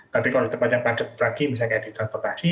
tapi kalau terpajang padat lagi misalnya di transportasi